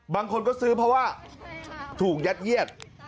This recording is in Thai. บางคนก็ซื้อเพราะว่าถูกยัดเยียด